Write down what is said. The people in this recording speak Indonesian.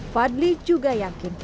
fadli juga yakin